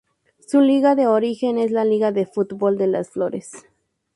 Su liga de origen es la Liga de fútbol de Las Flores.